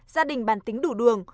gia đình bàn tính đủ đường